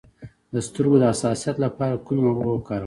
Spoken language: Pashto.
د سترګو د حساسیت لپاره کومې اوبه وکاروم؟